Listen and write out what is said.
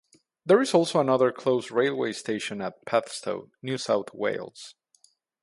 There is also another close railway station at Padstow, New South Wales.